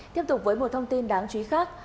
tiếp tục với một thông tin đáng chú ý khác